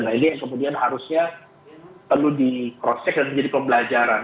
nah ini yang kemudian harusnya perlu di cross check dan menjadi pembelajaran